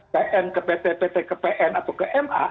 pn ke pt pt ke pn atau ke ma